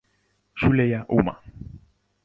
Shule ya Umma.